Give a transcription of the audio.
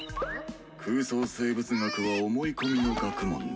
空想生物学は思い込みの学問だ。